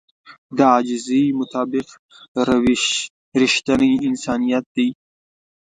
د عاجزي مطابق روش رښتينی انسانيت دی.